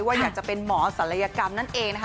ว่าอยากจะเป็นหมอศัลยกรรมนั่นเองนะคะ